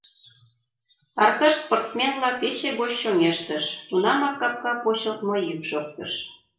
Аркаш спортсменла пече гоч чоҥештыш — тунамак капка почылтмо йӱк шоктыш.